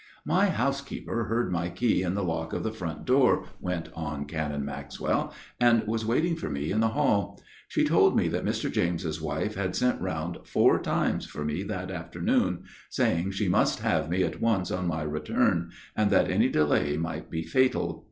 " My housekeeper heard my key in the lock of the front door," went on Canon Maxwell, " and was waiting for me in the hall. She told me that Mr. James* wife had sent round four times for me that afternoon, saying she must have me at once on my return, and that any delay might be fatal.